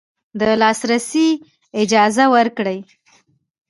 د لاسرسي اجازه ورکړي